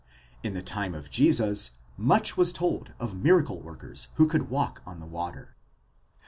In the time of Jesus much was told of miracle workers who could walk on the water.